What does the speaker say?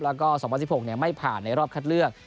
แล้วก็๒๐๑๖ไม่ผ่านในรอบคัดเลือก